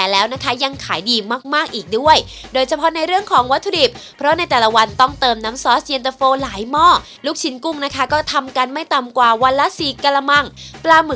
แล้วดูหน่างขนาดนี้เนี่ยจะเป็นยังไงนะครับครับผม